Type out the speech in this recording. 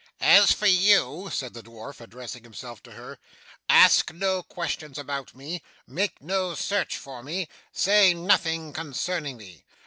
'As for you,' said the dwarf, addressing himself to her, 'ask no questions about me, make no search for me, say nothing concerning me.